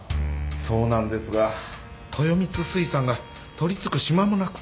そうなんですが豊光水産が取りつく島もなくて。